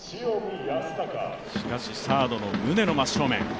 しかしサードの宗の真正面。